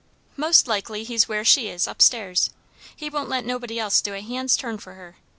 "Most likely he's where she is up stairs. He won't let nobody else do a hand's turn for her.